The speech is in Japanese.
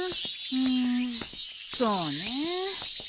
んそうね。